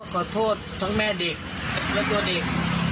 ขอโทษทั้งแม่เด็กและตัวเด็ก